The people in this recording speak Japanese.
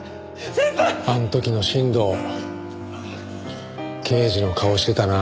あの時の新藤刑事の顔してたな。